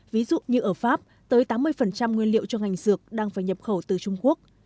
ví dụ như ở pháp tới tám mươi nguyên liệu cho ngành dược đang phải nhập khẩu từ trung quốc